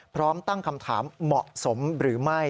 พร้อมตั้งคำถามเหมาะสมหรือไม่